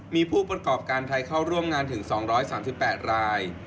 มีผู้ประกอบการไทยเข้าร่วมงานถึง๒๓๘ราย